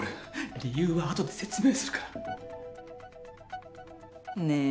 理由は後で説明するから。ねぇ？